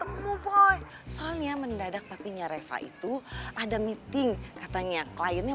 mama gak ngerti rekayasa